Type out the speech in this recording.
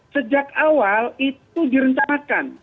sejak awal itu direncanakan